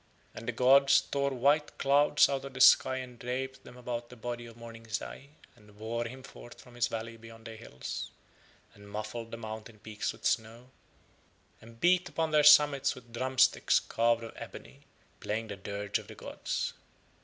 And the gods tore white clouds out of the sky and draped them about the body of Morning Zai and bore him forth from his valley behind the hills, and muffled the mountain peaks with snow, and beat upon their summits with drum sticks carved of ebony, playing the dirge of the gods.